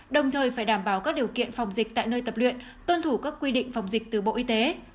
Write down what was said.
đồng thời phải đảm bảo các điều kiện phòng dịch tại nơi tập luyện tuân thủ các quy định phòng dịch từ bộ y tế